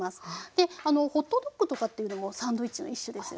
であのホットドッグとかっていうのもサンドイッチの一種ですよね。